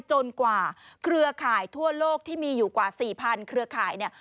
จนกว่าเครือข่ายทั่วโลกที่มีอยู่กว่า๔๐๐เครือข่ายเนี่ย